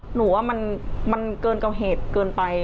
หนูว่ามันเกินกว่าเหตุเกินไป